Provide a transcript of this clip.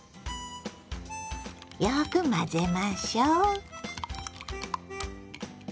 よく混ぜましょう。